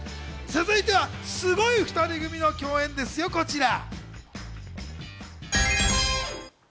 続いては、すごい２人組の共演です、こちら。